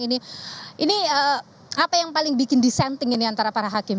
ini apa yang paling bikin dissenting ini antara para hakim